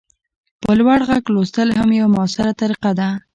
په لوړ غږ لوستل هم یوه مؤثره طریقه ده.